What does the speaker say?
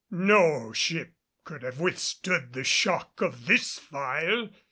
No ship could have withstood the shock of this fire!